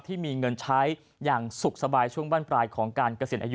ที่มีเงินใช้อย่างสุขสบายช่วงบ้านปลายของการเกษียณอายุ